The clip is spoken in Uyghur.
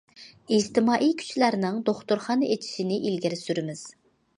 ئىجتىمائىي كۈچلەرنىڭ دوختۇرخانا ئېچىشىنى ئىلگىرى سۈرىمىز.